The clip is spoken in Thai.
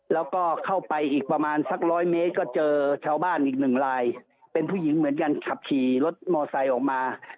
แล้วก็เข้าไปอีกประมาณสักร้อยเมตรก็เจอชาวบ้านอีกหนึ่งลายเป็นผู้หญิงเหมือนกันขับขี่รถมอไซค์ออกมา